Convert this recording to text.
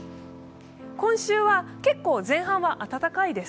今週は結構前半は暖かいです。